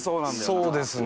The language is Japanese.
そうですね。